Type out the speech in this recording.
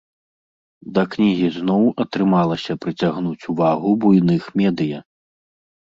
Да кнігі зноў атрымалася прыцягнуць увагу буйных медыя.